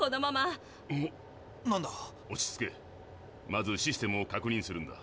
まずシステムを確認するんだ。